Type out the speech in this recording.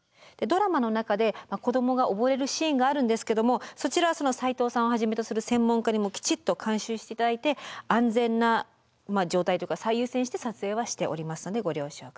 ドラマの中で子どもが溺れるシーンがあるんですけどもそちらは斎藤さんをはじめとする専門家にもきちっと監修していただいて安全な状態というか最優先して撮影はしておりますのでご了承ください。